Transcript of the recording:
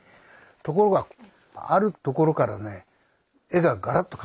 ところがあるところからね絵ががらっと変わるんですよ。